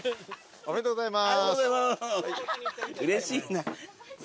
ありがとうございます。